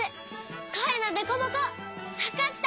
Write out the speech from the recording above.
こえのデコボコわかった。